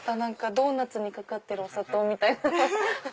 ドーナツにかかってるお砂糖みたいな。